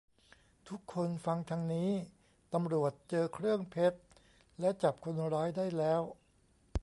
ทุกคนฟังทางนี้ ตำรวจเจอเครื่องเพชรและจับคนร้ายได้แล้ว